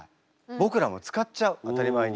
僕らも使っちゃう当たり前に。